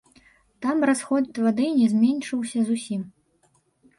Там расход вады не зменшыўся зусім.